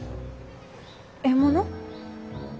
獲物？